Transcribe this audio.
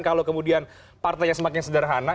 kalau kemudian partainya semakin sederhana